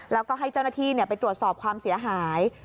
แล้วก็ให้เจ้าหน้าที่ไปตรวจสอบความเสียหาย